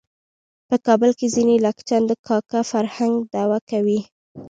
په کابل کې ځینې لچکان د کاکه فرهنګ دعوه کوي.